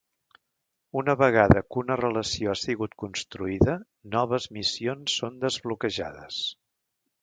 Una vegada que una relació ha sigut construïda noves missions són desbloquejades.